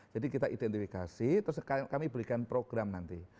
jadi kita identifikasi terus kami berikan program nanti